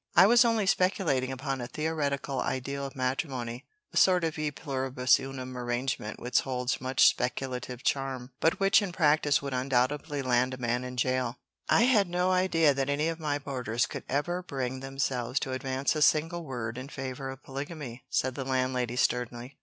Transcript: I was only speculating upon a theoretical ideal of matrimony, a sort of e pluribus unum arrangement which holds much speculative charm, but which in practice would undoubtedly land a man in jail." "I had no idea that any of my boarders could ever bring themselves to advance a single word in favor of polygamy," said the Landlady sternly.